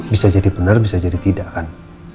bisa jadi benar bisa jadi tidak kan